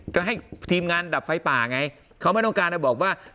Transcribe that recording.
ก็ให้ทีมงานดับไฟป่าไงเขาไม่ต้องการบอกว่า